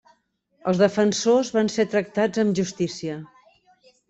Els defensors van ser tractats amb justícia.